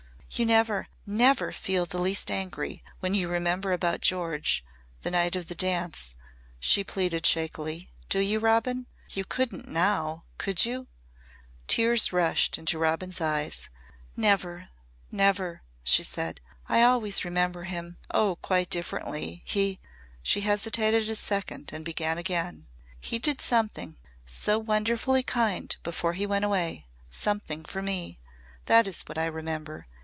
"You never never feel the least angry when you remember about George the night of the dance," she pleaded shakily. "Do you, Robin? You couldn't now! Could you?" Tears rushed into Robin's eyes. "Never never!" she said. "I always remember him oh, quite differently! He " she hesitated a second and began again. "He did something so wonderfully kind before he went away something for me. That is what I remember.